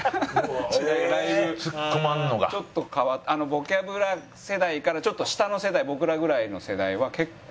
『ボキャブラ』世代からちょっと下の世代僕らぐらいの世代は結構。